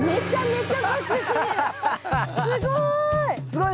すごい！